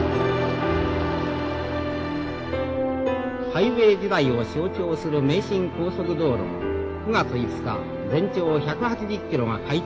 「ハイウエー時代を象徴する名神高速道路が９月５日全長１８０キロが開通しました」。